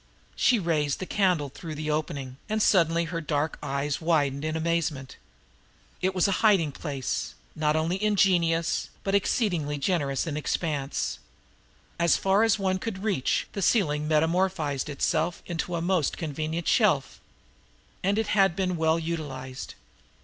She raised the candle then through the opening and suddenly her dark eyes widened in amazement. It was a hiding place, not only ingenious, but exceedingly generous in expanse. As far as one could reach the ceiling metamorphosed itself into a most convenient shelf. And it had been well utilized!